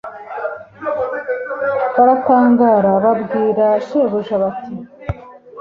baratangara; babwira shebuja, bati: